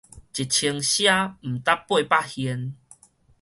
一千賒毋值八百現